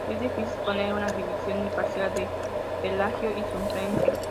Es difícil exponer una visión imparcial de Pelagio y su influencia.